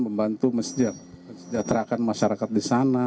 membantu meseja meseja terakan masyarakat di sana